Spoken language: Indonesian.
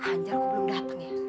eh anjar aku belum datang ya